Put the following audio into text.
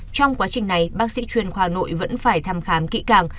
trong quá trình này bác sĩ chuyên khoa nội vẫn phải thăm khám kỹ càng